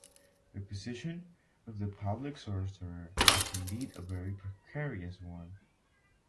The position of the public sorcerer is indeed a very precarious one.